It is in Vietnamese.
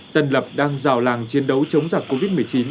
tân lập đang rào làng chiến đấu chống giặc covid một mươi chín